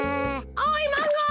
おいマンゴー。